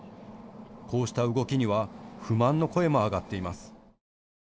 こうした動きには不満の声も上がっています。